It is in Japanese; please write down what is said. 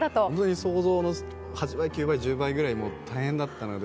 想像の８倍、９倍、１０倍くらい大変だったので。